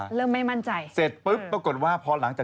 เริ่มไม่มั่นใจเสร็จปุ๊บปรากฏว่า